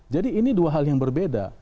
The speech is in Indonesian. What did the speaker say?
jadi ini dua hal yang berbeda